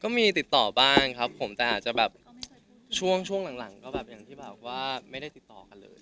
ติดต่อบ้างครับผมแต่อาจจะแบบช่วงหลังก็แบบอย่างที่บอกว่าไม่ได้ติดต่อกันเลย